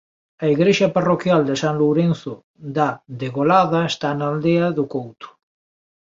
A igrexa parroquial de San Lourenzo da Degolada está na aldea do Couto.